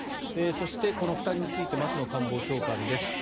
そして、この負担について松野官房長官です。